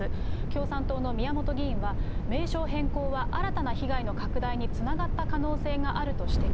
共産党の宮本議員は、名称変更は新たな被害の拡大につながった可能性があると指摘。